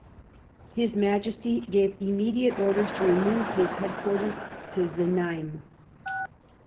His Majesty gave immediate orders to remove his headquarters to Znaim."